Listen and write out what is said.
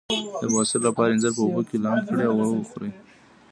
د بواسیر لپاره انځر په اوبو کې لمد کړئ او وخورئ